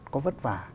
có vất vả